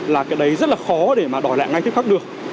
là cái đấy rất là khó để mà đòi lại ngay tiếp khắc được